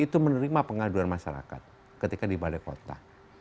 itu menerima pengaduan masyarakat ketika di balai kota